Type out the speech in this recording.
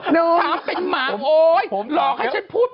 ถามเป็นหมาโอ๊ยหลอกให้ฉันพูด